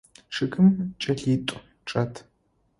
Чъыгым кӏэлитӏу чӏэт.